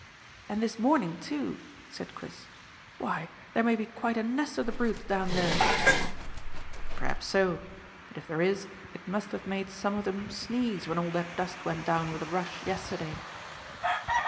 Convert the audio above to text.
"And this morning too," said Chris. "Why, there may be quite a nest of the brutes down there." "P'r'aps so. But if there is it must have made some of them sneeze when all that dust went down with a rush yesterday."